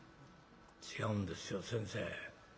「違うんですよ先生。